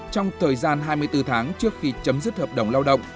trong thời gian hai mươi bốn tháng trước khi chấm dứt hợp đồng lao động